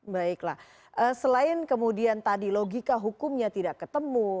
baiklah selain kemudian tadi logika hukumnya tidak ketemu